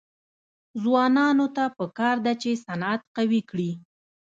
ځوانانو ته پکار ده چې، صنعت قوي کړي.